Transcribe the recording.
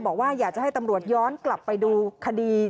บอกว่าอยากจะให้ตำรวจย้อนกลับไปดูคดี